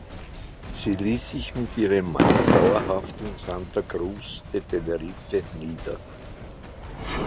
Sie ließ sich mit ihrem Mann dauerhaft in Santa Cruz de Tenerife nieder.